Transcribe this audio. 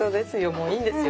もういいんですよ